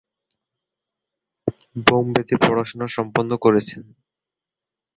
বোম্বেতে পড়াশোনা সম্পন্ন করেছেন।